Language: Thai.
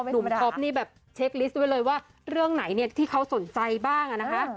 ท็อปนี่แบบเช็คลิสต์ไว้เลยว่าเรื่องไหนเนี่ยที่เขาสนใจบ้างอะนะคะ